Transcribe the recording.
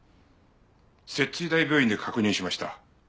摂津医大病院で確認しました。